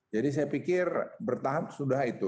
jadi saya pikir bertahap sudah itu